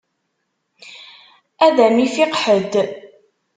Ad m-ifiq ḥedd.